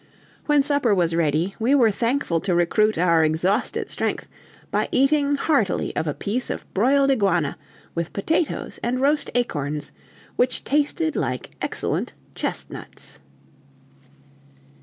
When supper was ready, we were thankful to recruit our exhausted strength by eating heartily of a piece of broiled iguana, with potatoes and roast acorns, which tasted like excellent chestnuts.